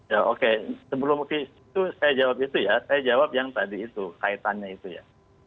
ya oke sebelum itu saya jawab itu ya saya jawab yang tadi itu kaitannya itu ya